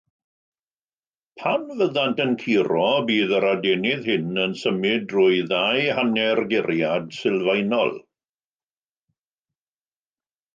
Pan fyddant yn curo, bydd yr adenydd hyn yn symud drwy ddau hanner-guriad sylfaenol.